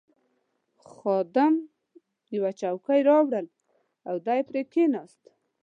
خادم یوه چوکۍ راوړل او دی پرې کښېناست.